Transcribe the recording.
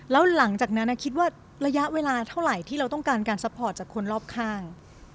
แล้วหลังจากนั้นคิดว่าระยะเวลาเท่าไหร่ที่เราต้องการการซัพพอร์ตจากคนรอบข้าง